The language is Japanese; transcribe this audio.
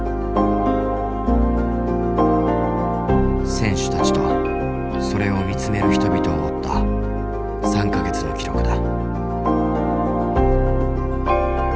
選手たちとそれを見つめる人々を追った３か月の記録だ。